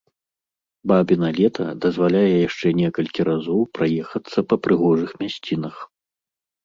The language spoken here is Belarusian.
Бабіна лета дазваляе яшчэ некалькі разоў праехацца па прыгожых мясцінах.